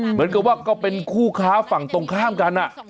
เหมือนกับว่าก็เป็นคู่ค้าฝั่งตรงข้ามกัน